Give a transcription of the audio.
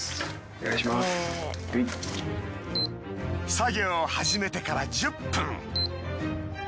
作業を始めてから１０分。